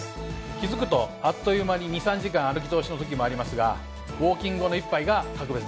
気付くとあっという間に２３時間歩き通しのときもありますがウオーキング後の一杯が格別です。